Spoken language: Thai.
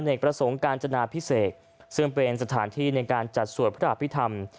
ประสงค์การจนาพิเศษซึ่งเป็นสถานที่ในการจัดสวดพระอภิษฐรรม